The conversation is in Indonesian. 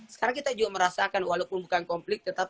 sekarang kita juga merasakan walaupun bukan konflik